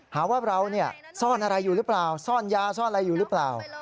หาว่าเราซ่อนอะไรอยู่หรือเปล่าซ่อนยาซ่อนอะไรอยู่หรือเปล่า